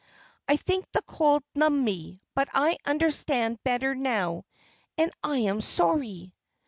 I think the cold numbed me; but I understand better now, and I am sorry."